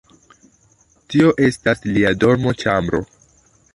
Tio estas lia dormoĉambro.